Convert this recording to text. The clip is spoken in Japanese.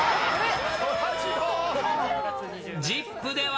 ＺＩＰ！では。